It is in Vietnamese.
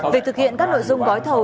việc thực hiện các nội dung gói thầu